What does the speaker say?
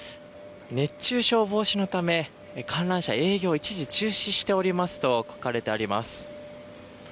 熱中症防止のため、観覧車営業一時停止していますと書かれております。